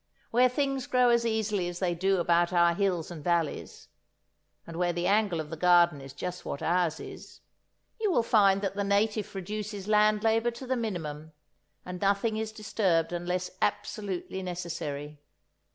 Where things grow as easily as they do about our hills and valleys (and where the angle of the garden is just what ours is), you will find that the native reduces land labour to the minimum, and nothing is disturbed unless absolutely necessary.